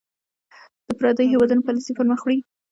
د پرديـو هېـوادونـو پالسـي پـر مــخ وړي .